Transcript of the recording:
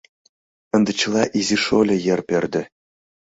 Ынде чыла изи шольо йыр пӧрдӧ.